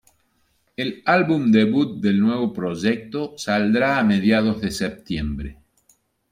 El álbum debut del nuevo proyecto saldrá a mediados de Septiembre.